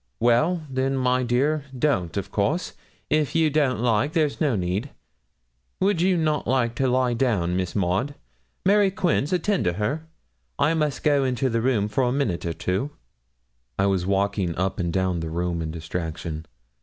'Well, then, my dear, don't of course, if you don't like; there's no need. Would not you like to lie down, Miss Maud? Mary Quince, attend to her. I must go into the room for a minute or two.' I was walking up and down the room in distraction.